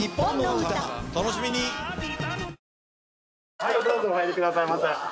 はいどうぞお入りくださいませ。